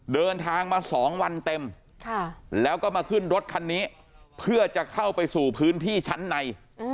เดินทางมา๒วันเต็มแล้วก็มาขึ้นรถคันนี้เพื่อจะเข้าไปสู่พื้นที่ชั้นใน